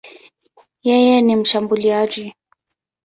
Yeye ni mshambuliaji.